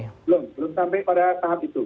belum belum sampai pada tahap itu